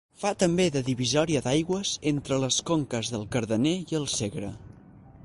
Fa també de divisòria d'aigües entre les conques del Cardener i el Segre.